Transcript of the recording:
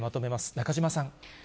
中島さん。